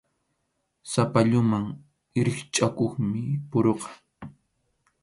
Sapalluman rikchʼakuqmi puruqa.